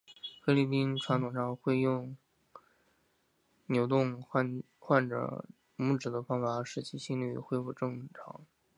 菲律宾传统上会使用扭动患者拇趾的方法使其心律恢复正常。